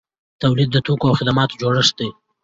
تولید د توکو او خدماتو جوړښت دی.